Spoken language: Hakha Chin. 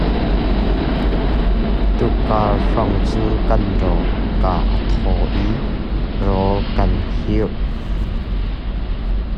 Tukar hrawng cu kan rawl kaa a thaw i rawl kan heu.